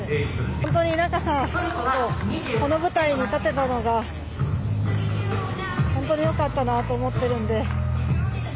本当に仲さんとこの舞台に立てたのが本当によかったなと思ってるんで。